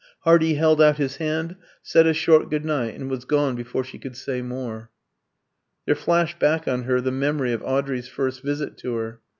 Hardy held out his hand, said a short good night, and was gone before she could say more. There flashed back on her the memory of Audrey's first visit to her.